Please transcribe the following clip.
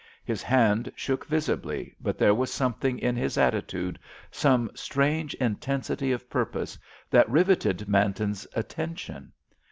His hand shook visibly, but there was something in his attitude, some strange intensity of purpose, that riveted Manton's attention.